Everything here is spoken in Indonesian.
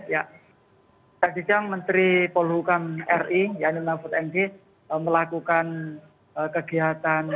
ya tadi siang menteri polhukam ri yanin nafut ng melakukan kegiatan